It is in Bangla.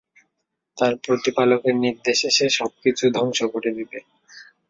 তার প্রতিপালকের নির্দেশে সে সবকিছু ধ্বংস করে দেবে।